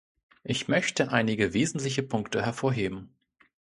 Ich möchte einige wesentliche Punkte hervorheben.